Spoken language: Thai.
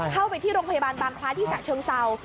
เข้าไปที่โรงพยาบาลบางคล้าที่ฉะเชิงเศร้า